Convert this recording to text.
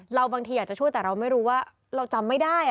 บางทีอยากจะช่วยแต่เราไม่รู้ว่าเราจำไม่ได้